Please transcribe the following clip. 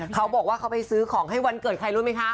เขาบอกว่าเขาไปซื้อของให้วันเกิดใครรู้ไหมคะ